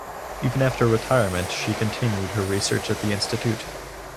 Even after retirement she continued her research at the Institute.